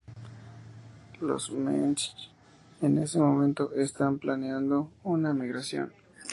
Los mensch, en este momento, están planeando un migración.